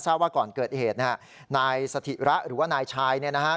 ทราบว่าก่อนเกิดเหตุนะครับนายสัธิระหรือว่านายชายนะครับ